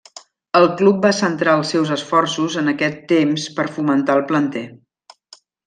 El club va centrar els seus esforços en aquest temps per fomentar el planter.